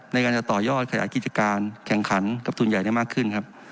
ในการจะต่อยอดขยายกิจการแข่งขันกับทุนใหญ่ได้มากขึ้นครับ